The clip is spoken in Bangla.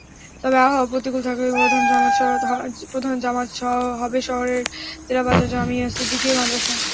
তবে আবহাওয়া প্রতিকূলে থাকলে প্রধান জামাত হবে শহরের তেরাবাজার জামিয়া সিদ্দিকিয়া মাদ্রাসায়।